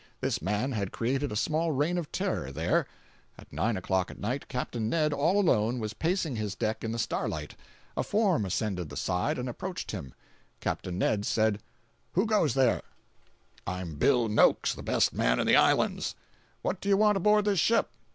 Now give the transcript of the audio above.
This man had created a small reign of terror there. At nine o'clock at night, Capt. Ned, all alone, was pacing his deck in the starlight. A form ascended the side, and approached him. Capt. Ned said: "Who goes there?" 353.jpg (77K) "I'm Bill Noakes, the best man in the islands." "What do you want aboard this ship?"